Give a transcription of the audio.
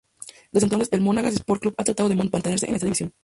Desde entonces el Monagas Sport Club ha tratado de mantenerse en esta división.